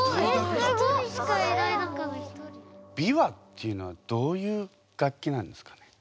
琵琶っていうのはどういう楽器なんですかね？